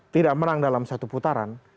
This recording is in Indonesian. tidak menang dalam satu putaran